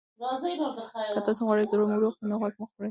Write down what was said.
که تاسي غواړئ زړه مو روغ وي، نو غوړ مه خورئ.